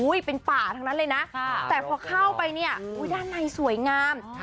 เป็นป่าทั้งนั้นเลยนะแต่พอเข้าไปเนี่ยด้านในสวยงาม